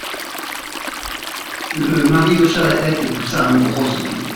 Le mari hocha la tête et poussa un gros soupir.